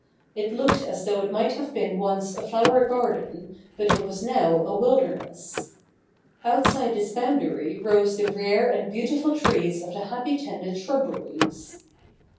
It looked as though it might have been once a flower garden, but it was now a wilderness. Outside I02 THE NEW REPUBLIC [ck. ii its boundary rose the rare and beautiful trees of the happy tended shubberies.